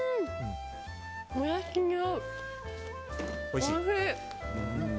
おいしい！